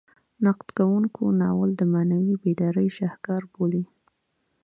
نقد کوونکي ناول د معنوي بیدارۍ شاهکار بولي.